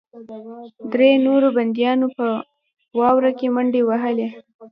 درې نورو بندیانو په واوره کې منډې وهلې